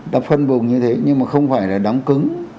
đã phân vùng như thế nhưng mà không phải là đóng cứng